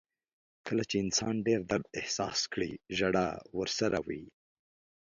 • کله چې انسان ډېر درد احساس کړي، ژړا ورسره وي.